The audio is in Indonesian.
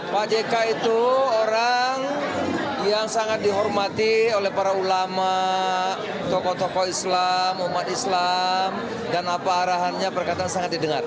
pak jk itu orang yang sangat dihormati oleh para ulama tokoh tokoh islam umat islam dan apa arahannya berkataan sangat didengar